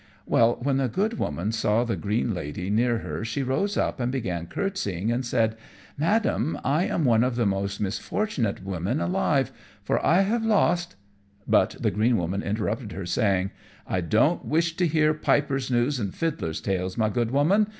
Well, when the good woman saw the green lady near her she rose up and began courtesying, and said, "Madam, I am one of the most misfortunate women alive, for I have lost " But the green woman interrupted her, saying "I don't wish to hear piper's news and fiddler's tales, my good woman.